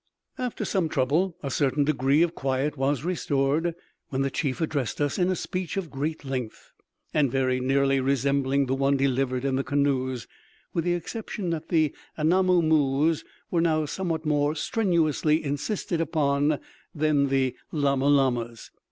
After some trouble a certain degree of quiet was restored, when the chief addressed us in a speech of great length, and very nearly resembling the one delivered in the canoes, with the exception that the Anamoo moos! were now somewhat more strenuously insisted upon than the Lama Lamas!